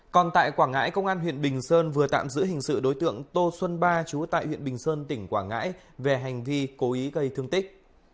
còn tại quảng ngãi công an huyện bình sơn vừa tạm giữ hình sự đối tượng tô xuân ba chú tại huyện bình sơn tỉnh quảng ngãi về hành vi cố ý gây thương tích